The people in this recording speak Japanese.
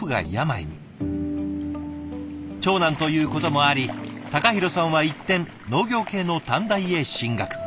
長男ということもあり隆弘さんは一転農業系の短大へ進学。